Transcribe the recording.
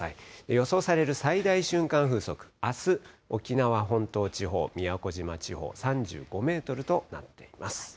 予想される最大瞬間風速、あす、沖縄本島地方、宮古島地方、３５メートルとなっています。